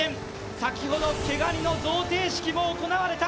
先ほど毛ガニの贈呈式も行われた。